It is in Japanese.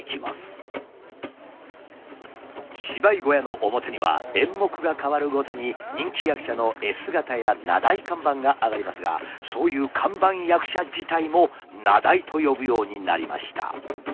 芝居小屋の表には演目が変わるごとに人気役者の絵姿や名題看板が上がりますがそういう看板役者自体も名題と呼ぶようになりました。